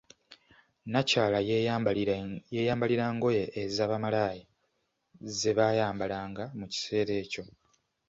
Nnakyala yeeyambalira ngoye eza bamalaaya ze bayambalanga mu kiseera ekyo.